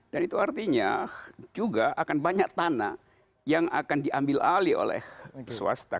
dan itu artinya juga akan banyak tanah yang akan diambil alih oleh swasta